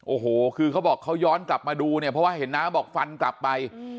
โอ้โหคือเขาบอกเขาย้อนกลับมาดูเนี่ยเพราะว่าเห็นน้าบอกฟันกลับไป